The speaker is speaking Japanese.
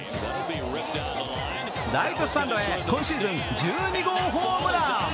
ライトスタンドへ今シーズン１２号ホームラン。